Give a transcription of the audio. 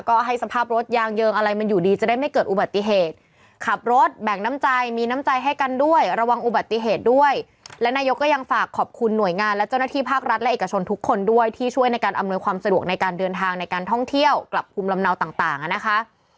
ก็ให้สภาพรถยางเยิงอะไรมันอยู่ดีจะได้ไม่เกิดอุบัติเหตุขับรถแบ่งน้ำใจมีน้ำใจให้กันด้วยระวังอุบัติเหตุด้วยและนายกก็ยังฝากขอบคุณหน่วยงานและเจ้าหน้าที่ภาครัฐและเอกชนทุกคนด้วยที่ช่วยในการอำนวยความสะดวกในการเดินทางในการท่องเที่ยวกลับภูมิลำเนาต่างอ่ะนะคะ